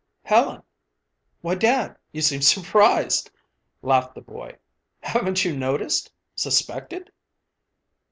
"Helen. Why, dad, you seem surprised," laughed the boy. "Haven't you noticed suspected?"